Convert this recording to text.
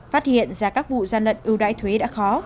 phát hiện ra các vụ gian lận ưu đãi thuế đã khó